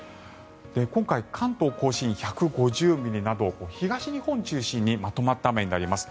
今回、関東・甲信１５０ミリなど東日本を中心にまとまった雨になります。